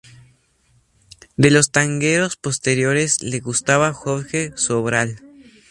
De los tangueros posteriores le gustaba Jorge Sobral.